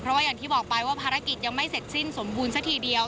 เพราะว่าอย่างที่บอกไปว่าภารกิจยังไม่เสร็จสิ้นสมบูรณ์ซะทีเดียว